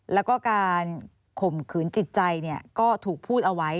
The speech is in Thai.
แล้วก็การข่มขืนจิตใจก็ถูกพูดเอาไว้